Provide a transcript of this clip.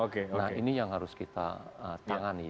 nah ini yang harus kita tangani